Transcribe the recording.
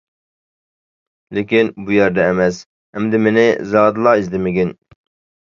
لېكىن بۇ يەردە ئەمەس، ئەمدى مېنى زادىلا ئىزدىمىگىن.